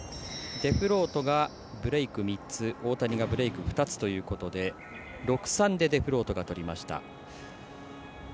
デフロートが、ブレーク３つ大谷がブレーク２つということで６−３でデフロートが取りました。